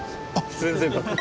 全然。